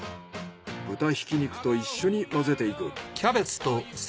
豚ひき肉と一緒に混ぜていく。